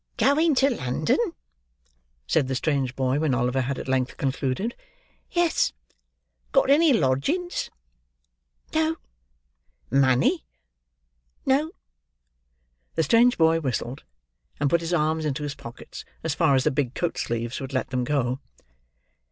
"Going to London?" said the strange boy, when Oliver had at length concluded. "Yes." "Got any lodgings?" "No." "Money?" "No." The strange boy whistled; and put his arms into his pockets, as far as the big coat sleeves would let them go.